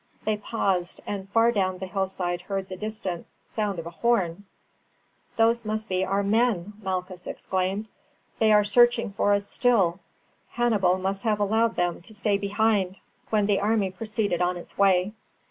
They paused, and far down the hillside heard the distant sound of a horn. "Those must be our men," Malchus exclaimed, "they are searching for us still; Hannibal must have allowed them to stay behind when the army proceeded on its way."